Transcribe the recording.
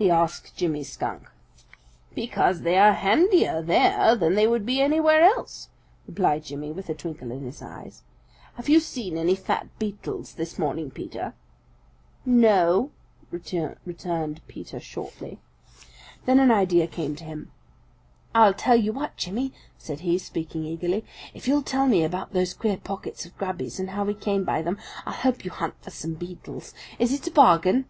he asked Jimmy Skunk. "Because they are handier there than they would be anywhere else," replied Jimmy with a twinkle in his eyes. "Have you seen any fat beetles this morning, Peter?" "No," returned Peter shortly. Then an idea came to him. "I tell you what, Jimmy," said he, speaking eagerly, "if you'll tell me about those queer pockets of Grubby's and how he came by them, I'll help you hunt for some beetles. Is it a bargain?"